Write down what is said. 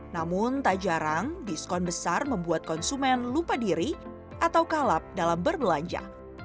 namun tak jarang diskon besar membuat konsumen lupa diri atau kalap dalam berbelanja